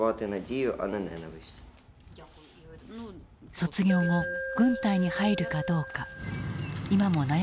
卒業後軍隊に入るかどうか今も悩み続けている。